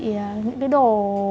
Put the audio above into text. những cái đồ